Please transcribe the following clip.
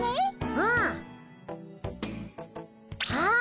うん。あっ！